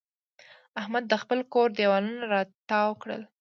احمد د خپل کور دېوالونه را تاوو کړل.